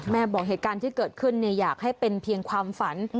บอกเหตุการณ์ที่เกิดขึ้นอยากให้เป็นเพียงความฝัน